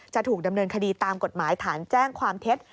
จะถูกดำเนินคดีตามกฎหมายฐานแจ้งความเท็จ